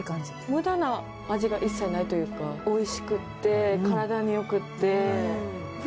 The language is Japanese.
無駄な味が一切ないというかおいしくって体によくって。